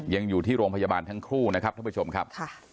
ยังอยู่ที่โรงพยาบาลทั้งคู่นะครับท่านผู้ชมครับ